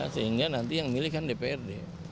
sehingga nanti yang milih kan dprd